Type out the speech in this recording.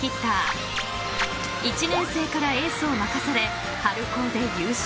［１年生からエースを任され春高で優勝］